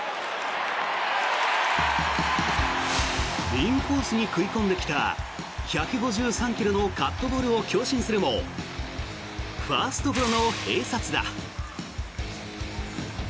インコースに食い込んできた１５３ｋｍのカットボールを強振するもファーストゴロの併殺打。